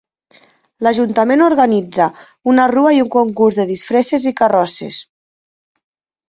L'ajuntament organitza una rua i un concurs de disfresses i carrosses.